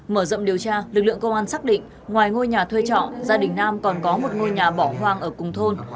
mở rộng điều tra lực lượng công an xác định ngoài ngôi nhà thuê trọ gia đình nam còn có một ngôi nhà bỏ hoang ở cùng thôn